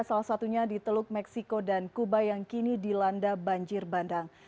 salah satunya di teluk meksiko dan kuba yang kini dilanda banjir bandang